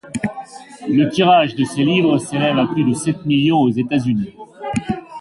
Le tirage de ses livres s'élève à plus de sept millions aux États-Unis.